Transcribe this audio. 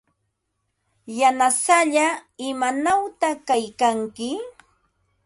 Yanasallaa, ¿imanawta kaykanki?